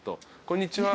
こんにちは。